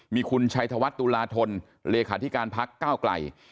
มีคุณชัยธวัฒน์ตุลาธนเลขาธิการพักก้าวไกล